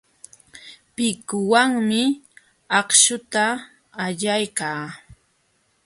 Pikuwanmi akśhuta allaykaa.